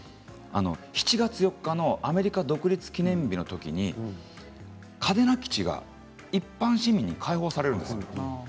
７月４日のアメリカ独立記念日のときに嘉手納基地が一般市民に開放されるんです。